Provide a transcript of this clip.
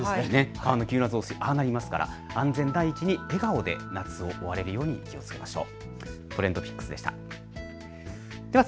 川の急な増水、ああなりますから、安全第一、笑顔で夏を終われるように気をつけましょう。